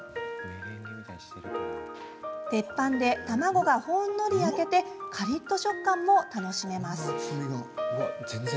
鉄板で卵がほんのり焼けてかりっと食感も楽しめます。